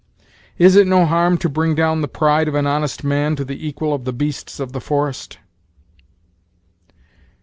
Is it no harm to bring down the pride of an honest man to be the equal of the beasts of the forest?"